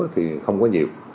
thì không có nhiều